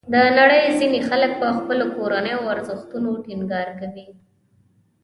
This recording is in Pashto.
د نړۍ ځینې خلک په خپلو کورنیو ارزښتونو ټینګار کوي.